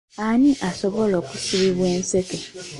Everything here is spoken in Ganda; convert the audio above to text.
Ani asobola okusibibwa enseke?